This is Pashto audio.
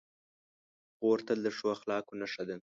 خور تل د ښو اخلاقو نښه ده.